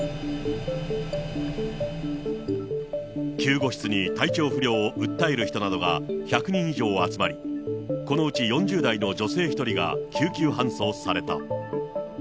救護室に体調不良を訴える人などが１００人以上集まり、このうち４０代の女性１人が救急搬送された。